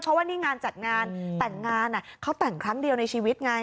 เพราะว่านี่งานจัดงานแต่งงานเขาแต่งครั้งเดียวในชีวิตไง